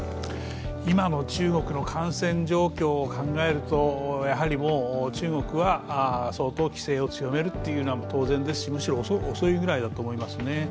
今の中国の感染状況を考えるとやはりもう中国は相当規制を強めるのは当然ですしむしろ遅いぐらいだと思いますね。